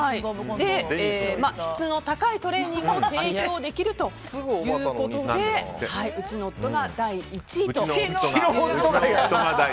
質の高いトレーニングを提供できるということでうちの夫が第１位と。